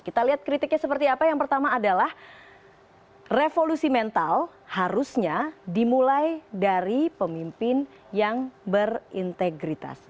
kita lihat kritiknya seperti apa yang pertama adalah revolusi mental harusnya dimulai dari pemimpin yang berintegritas